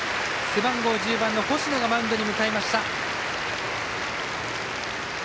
背番号１０番の星野がマウンドに向かいました。